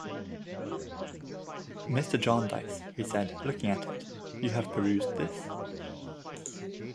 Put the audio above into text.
"Mr. Jarndyce," he said, looking at it, "you have perused this?"